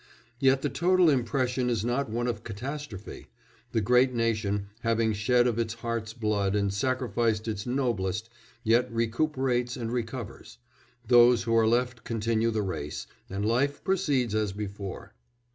Yet the total impression is not one of catastrophe; the great nation, having shed of its heart's blood and sacrificed its noblest, yet recuperates and recovers; those who are left continue the race, and life proceeds as before.